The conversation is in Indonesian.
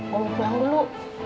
gue mau pulang dulu